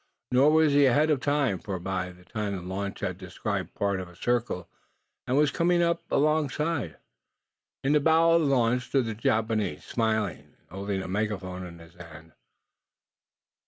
Nor was he ahead of time, for by this time the launch had described part of a circle, and was coming up alongside. In the bow of the launch stood the Japanese, smiling, and holding a megaphone in his hand.